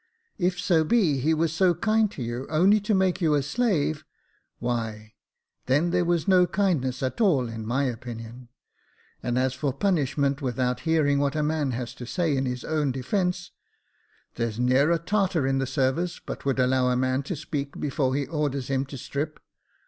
If so be he was so kind to you only to make you a slave, why, then there was no kindness at all in my opinion ; and as for punishment without hearing what a man has to say in his own defence — there's ne'er a Tartar in the sarvice but would allow a man to speak before he orders him to strip.